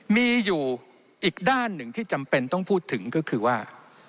มีอยู่อีกด้านหนึ่งที่จำเป็นต้องพูดถึงก็คือว่า